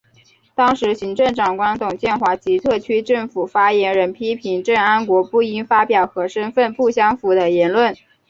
当时行政长官董建华及特区政府发言人批评郑安国不应发表和身份不相符的言论。